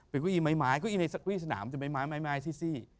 เป็นเก้าอี้ไม้เก้าอี้สนามจะเป็นเก้าอี้ไม้ซี่